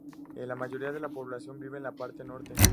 La mayoría de la población vive en la parte norte.